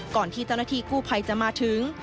ก่อนที่ตอนนาทีกู้ภัยจะมาถึง